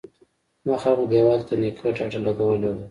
مخامخ دېوال ته نيکه ډډه لگولې وه.